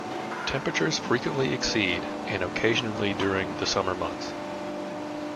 Temperatures frequently exceed and occasionally during the summer months.